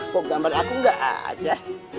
kok gambar aku gak ada